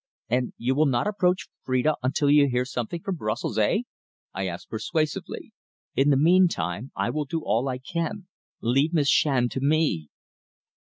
"And you will not approach Phrida until you hear something from Brussels eh?" I asked persuasively. "In the meantime, I will do all I can. Leave Miss Shand to me."